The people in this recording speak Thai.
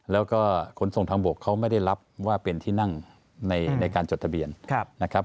แล้วก็ขนส่งทางบกเขาไม่ได้รับว่าเป็นที่นั่งในการจดทะเบียนนะครับ